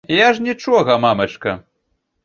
Я ж нічога, мамачка.